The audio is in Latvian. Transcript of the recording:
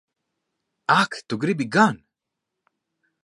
Ak tu gribi gan!